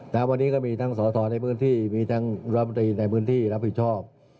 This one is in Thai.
วันนี้ก็มีทั้งสอทรในพื้นที่มีทั้งรัฐมนตรีในพื้นที่รับผิดชอบ